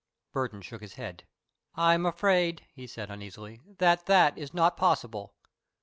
Burton shook his head. "I am afraid," he said, uneasily, "that that is not possible."